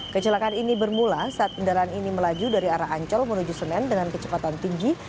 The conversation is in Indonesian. kecelakaan ini bermula saat kendaraan ini melaju dari arahan colmenuju senen dengan kecepatan tinggi